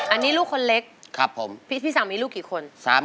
อันนี้ลูกคนเล็กพี่สังมีลูกกี่คนครับผม